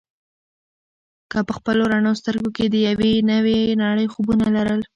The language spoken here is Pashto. هغې په خپلو رڼو سترګو کې د یوې نوې نړۍ خوبونه لرل.